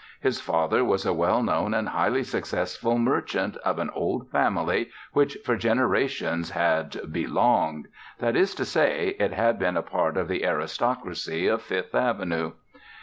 His father was a well known and highly successful merchant of an old family which, for generations, had "belonged" that is to say, it had been a part of the aristocracy of Fifth Avenue.